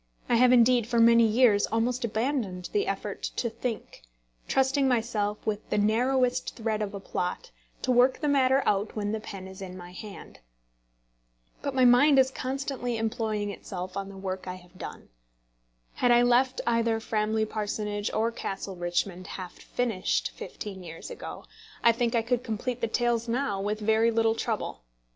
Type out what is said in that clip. I have indeed for many years almost abandoned the effort to think, trusting myself, with the narrowest thread of a plot, to work the matter out when the pen is in my hand. But my mind is constantly employing itself on the work I have done. Had I left either Framley Parsonage or Castle Richmond half finished fifteen years ago, I think I could complete the tales now with very little trouble.